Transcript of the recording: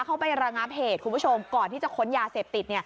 ไประงับเหตุคุณผู้ชมก่อนที่จะค้นยาเสพติด